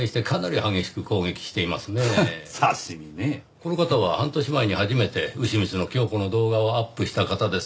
この方は半年前に初めてうしみつのキョウコの動画をアップした方です。